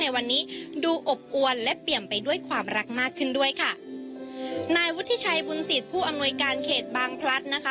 ไว้ค่ะนายวุฒิชัยบุญศิษฐ์ผู้อำนวยการเขตบางพลัทม์นะคะ